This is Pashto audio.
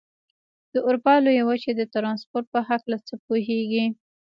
د اروپا لویې وچې د ترانسپورت په هلکه څه پوهېږئ؟